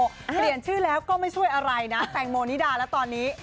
เปลี่ยนชื่อแล้วก็ไม่ช่วยอะไรนะแตงโมนิดาแล้วตอนนี้